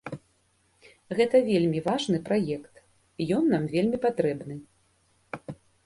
Гэта вельмі важны праект, ён нам вельмі патрэбны.